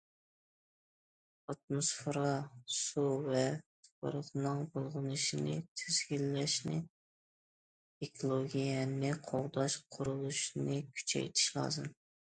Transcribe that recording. ئاتموسفېرا، سۇ ۋە تۇپراقنىڭ بۇلغىنىشىنى تىزگىنلەشنى، ئېكولوگىيەنى قوغداش قۇرۇلۇشىنى كۈچەيتىش لازىم.